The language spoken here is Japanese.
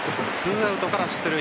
２アウトから出塁。